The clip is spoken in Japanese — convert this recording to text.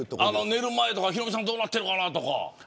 寝る前とか、ヒロミさんどうなってるかなとか。